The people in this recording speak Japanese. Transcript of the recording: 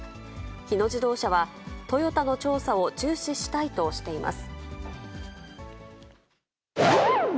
日野自動車は、トヨタの調査を注視したいとしています。